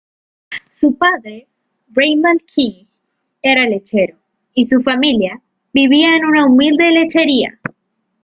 Su padre, Raymond King, era lechero, y su familia vivía en una humilde lechería.